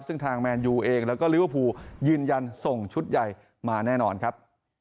ซึ่งทางแมนยูเองแล้วก็ลิเวอร์พูลยืนยันส่งชุดใหญ่มาแน่นอนครับ